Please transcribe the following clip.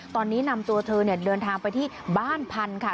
ตอนนี้นำตัวเธอเดินทางไปที่บ้านพันธุ์ค่ะ